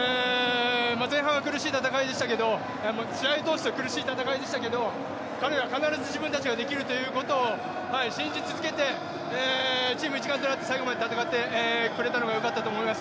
前半は苦しい戦いでしたけど試合を通して苦しい戦いでしたけど彼らは必ず自分たちができるということを信じ続けてチーム一丸となって最後まで戦ってくれたのがよかったと思います。